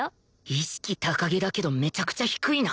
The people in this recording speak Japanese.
意識高げだけどめちゃくちゃ低いな